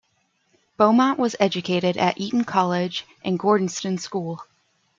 Beaumont was educated at Eton College and Gordonstoun School.